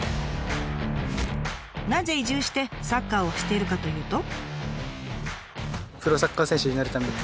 なぜ移住してサッカーをしているかというと。